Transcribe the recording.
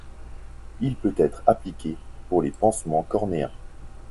Il peut être appliqué pour les pansements cornéens.